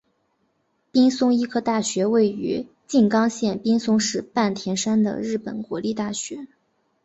滨松医科大学位于静冈县滨松市半田山的日本国立大学。